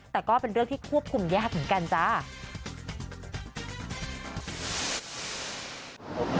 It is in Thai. แต่ก็เป็นเรื่องที่ควบคุมยากเหมือนกันจ้า